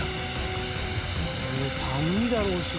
「寒いだろうし」